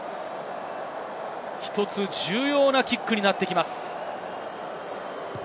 重要なキックになってきます。